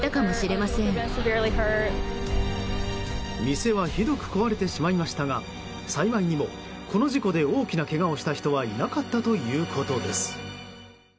店はひどく壊れてしまいましたが幸いにも、この事故で大きなけがをした人はいなかったということです。